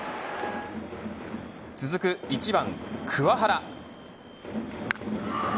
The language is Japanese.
続く１番、桑原。